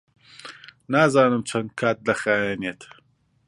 نازانم چەند کات دەخایەنێت.